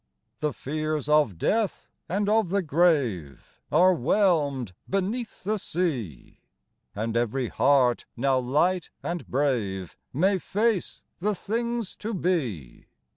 The fears of death and of the grave Are whelmed beneath the sea ; And every heart now light and brave May face the things to be.